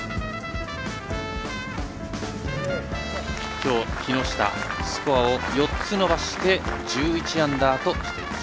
きょう木下スコアを４つ伸ばして１１アンダーとしています。